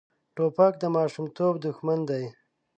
توپک د ماشومتوب دښمن دی.